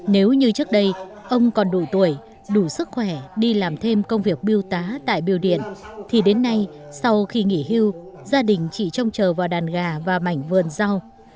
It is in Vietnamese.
nếu như trước đây ông còn đủ tuổi đủ sức khỏe đi làm thêm công việc biêu tá tại biểu điện thì đến nay sau khi nghỉ hưu gia đình chỉ trông chờ vào đàn gà và mảnh vườn rau